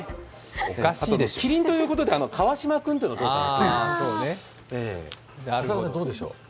きりんということで、カワシマ君というのはどうでしょうか。